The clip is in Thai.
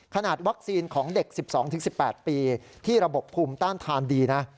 ขนาดวัคซีนของเด็ก๑๒๑๘ปีที่ระบบภูมิต้านทานดีนะ